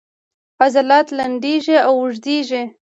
عضلات لنډیږي او اوږدیږي